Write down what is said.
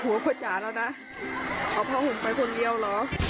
ค่อยจ๋าแล้วนะเอาผ้าห่มไปคนเดียวเหรอ